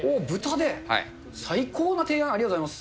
最高な提案、ありがとうございます。